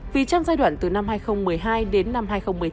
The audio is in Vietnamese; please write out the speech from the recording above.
vì trong giai đoạn từ năm hai nghìn một mươi hai đến năm hai nghìn một mươi chín